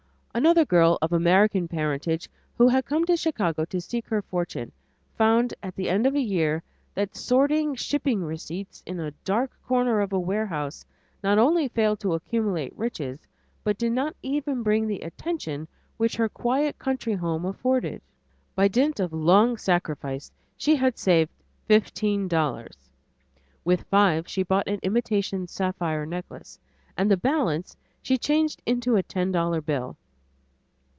Another girl of American parentage who had come to Chicago to seek her fortune, found at the end of a year that sorting shipping receipts in a dark corner of a warehouse not only failed to accumulate riches but did not even bring the "attentions" which her quiet country home afforded. By dint of long sacrifice she had saved fifteen dollars; with five she bought an imitation sapphire necklace, and the balance she changed into a ten dollar bill.